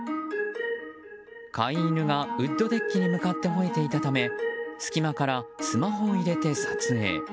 飼い犬がウッドデッキに向かって吠えていたため隙間からスマホを入れて撮影。